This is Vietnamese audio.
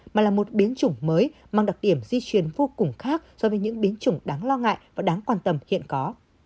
mà là một biến chủng mới mang đặc điểm di truyền vô cùng khác so với những biến chủng đáng lo ngại và đáng quan tâm hiện có